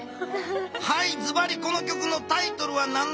はいずばりこの曲のタイトルはなんでしょう？